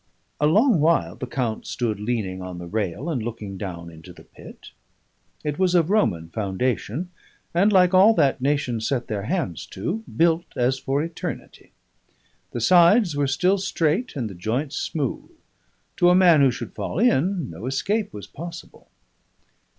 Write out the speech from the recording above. A long while the count stood leaning on the rail and looking down into the pit. It was of Roman foundation, and, like all that nation set their hands to, built as for eternity; the sides were still straight, and the joints smooth; to a man who should fall in, no escape was possible.